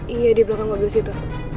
iya di belakang mobil situ